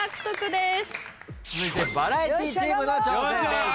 続いてバラエティチームの挑戦です。